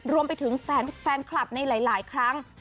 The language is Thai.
รวมไปถึงแฟนคลับในหลายครั้ง